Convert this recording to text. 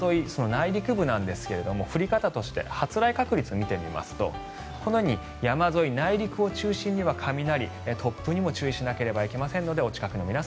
内陸部なんですが降り方として発雷確率を見てみますとこのように山沿い、内陸を中心に雷突風にもお気をつけください。